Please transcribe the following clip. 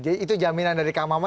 jadi itu jaminan dari kang mama